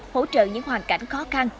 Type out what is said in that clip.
hỗ trợ những hoàn cảnh khó khăn